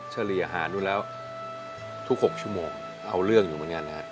เฉลี่ยอาหารดูแล้วทุก๖ชั่วโมงเอาเรื่องอยู่บางงานนะครับ